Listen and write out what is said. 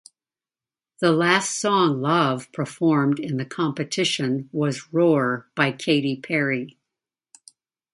The last song Lahav performed in the competition was "Roar" by Katy Perry.